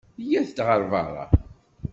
Iyyat-d ɣer beṛṛa.